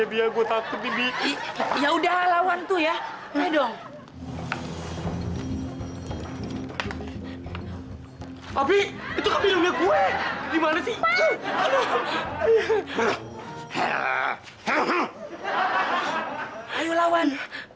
dia gue takut di ya udah lawan tuh ya ayo dong tapi itu gimana sih ayo lawan